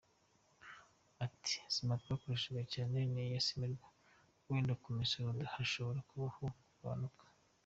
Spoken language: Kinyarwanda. Ati “Sima twakoreshaga cyane ni iya Cimerwa, wenda ku misoro hashobora kubaho kugabanuka.